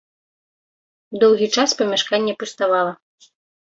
Доўгі час памяшканне пуставала.